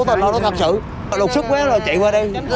đột sức quá là chịu vào đây